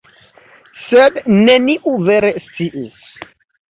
Sed neniu vere sciis.